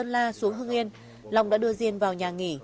lá xuống hương yên long đã đưa diên vào nhà nghỉ